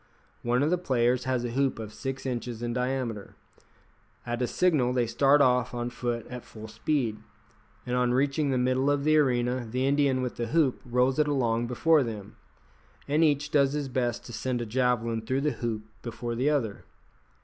One of the players has a hoop of six inches in diameter. At a signal they start off on foot at full speed, and on reaching the middle of the arena the Indian with the hoop rolls it along before them, and each does his best to send a javelin through the hoop before the other.